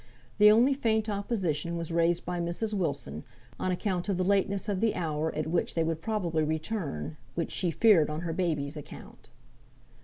The only faint opposition was raised by Mrs. Wilson, on account of the lateness of the hour at which they would probably return, which she feared on her babies' account.